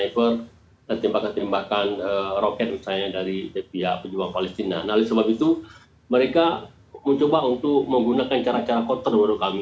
mereka mencoba untuk menggunakan cara cara kotor menurut kami